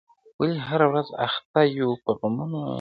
ولي هره ورځ اخته یو په غمونو-